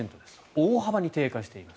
大幅に低下しています。